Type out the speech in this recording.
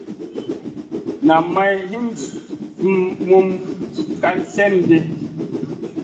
Nam may hin summun kal slèn di.